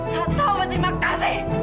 tak tahu berterima kasih